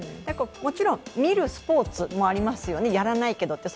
もちろん見るスポーツもありますよね、やらないけど。